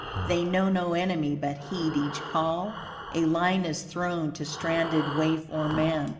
They know no enemy but heed each call. A line is thrown to stranded waif or man.